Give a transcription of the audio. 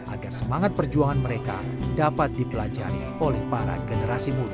agar semangat perjuangan mereka dapat dipelajari oleh para generasi muda